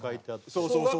そうそうそうそう。